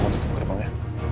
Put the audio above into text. untuk tutup gerbangnya